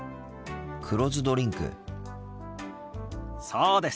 そうです。